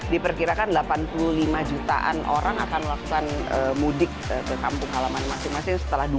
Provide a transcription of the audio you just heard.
diperkirakan delapan puluh lima jutaan orang akan melakukan mudik ke kampung halaman masing masing setelah